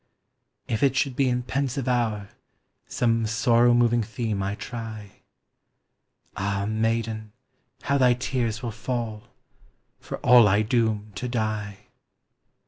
If it should be in pensive hour Some sorrow moving theme I try, Ah, maiden, how thy tears will fall, For all I doom to die!